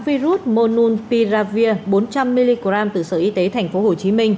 virus mononpiravir bốn trăm linh mg từ sở y tế tp hcm